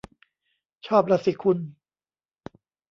ชอบล่ะสิคุณ